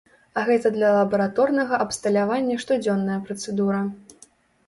А гэта для лабараторнага абсталявання штодзённая працэдура.